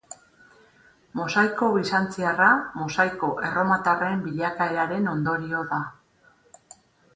Mosaiko bizantziarra mosaiko erromatarraren bilakaeraren ondorio da.